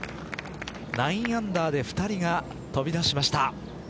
９アンダーで２人が飛び出しました。